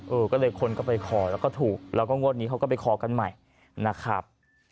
เออก็เลยคนก็ไปขอแล้วก็ถูกแล้วก็งวดนี้เขาก็ไปขอกันใหม่นะครับ